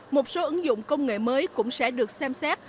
một số ứng dụng công nghệ mới cũng sẽ được xem xét